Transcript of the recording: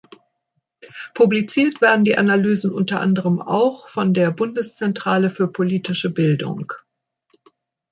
Publiziert werden die Analysen unter anderem auch von der Bundeszentrale für politische Bildung.